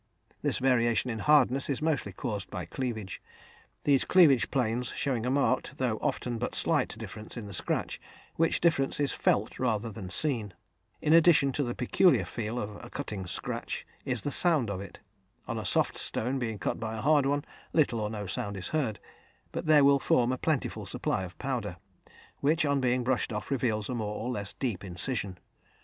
This variation in hardness is mostly caused by cleavage, these cleavage planes showing a marked, though often but slight, difference in the scratch, which difference is felt rather than seen. In addition to the peculiar feel of a cutting scratch, is the sound of it. On a soft stone being cut by a hard one, little or no sound is heard, but there will form a plentiful supply of powder, which, on being brushed off, reveals a more or less deep incision.